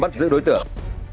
bắt giữ đối tượng